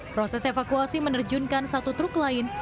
proses evakuasi menerjunkan satu truk lain